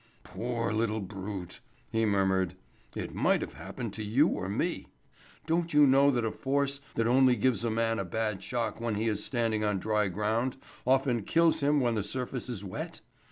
"Poor little brute!" he murmured. "It might have happened to you or me. Don't you know that a force that only gives a man a bad shock when he is standing on dry ground often kills him when the surface is wet?